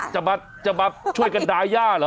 จะมาช่วยกันดาย่าเหรอ